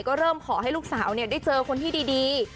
ก็เริ่มขอให้ลูกสาวได้เจอคนที่ดี